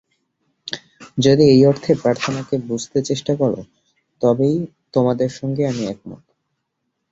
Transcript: যদি এই অর্থে প্রার্থনাকে বুঝতে চেষ্টা কর, তবেই তোমাদের সঙ্গে আমি একমত।